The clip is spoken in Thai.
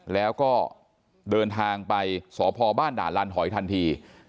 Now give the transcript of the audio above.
แล้วก็เดินทางไปสพบ้านด่านลานหอยทันที